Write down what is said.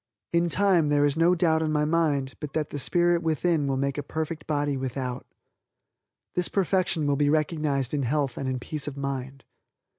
In time there is no doubt in my mind but that the spirit within will make a perfect body without. This perfection will be recognized in health and in peace of mind.